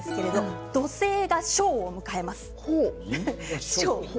土星が衝を迎えます。